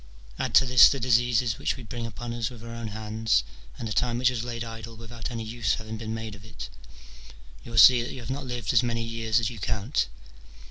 Add to this the diseases which we bring upon us with our own hands, and the time which has laid idle without any use having been made of it ; you will see that you have not lived as many years as you count.